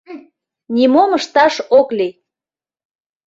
Нимом ышташ ок лий.